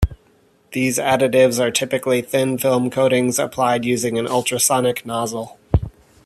These additives are typically thin film coatings applied using an ultrasonic nozzle.